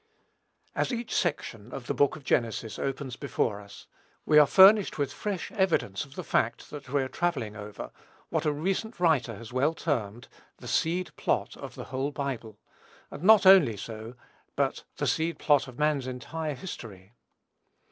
As each section of the Book of Genesis opens before us, we are furnished with fresh evidence of the fact that we are travelling over, what a recent writer has well termed, "the seed plot of the whole Bible;" and not only so, but the seed plot of man's entire history.